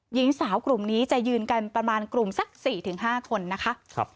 หญิงสาวกลุ่มนี้จะยืนกันประมาณกลุ่มสักสี่ถึงห้าคนนะคะครับ